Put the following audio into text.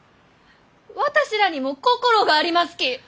私らにも心がありますき！